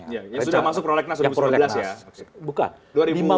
yang sudah masuk prolegnas dua ribu sembilan belas ya